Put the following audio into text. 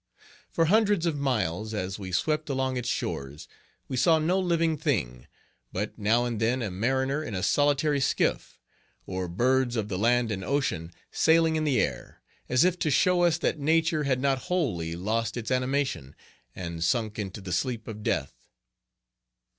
For hundreds of miles, as we swept along its shores, we saw no living thing, but now and then a mariner in a solitary skiff, or birds of the land and ocean sailing in the air, as if to show us that nature had not wholly lost its animation, and sunk into the sleep of death."